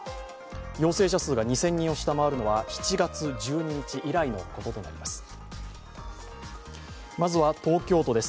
陽性者数が２０００人を下回るのは７月１２日以来のこととなります。